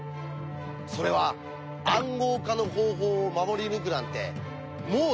それは「暗号化の方法」を守り抜くなんてもうやめよう！